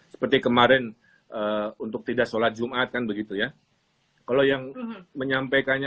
seperti kemarin untuk tidak sholat jumat kan begitu ya kalau yang menyampaikannya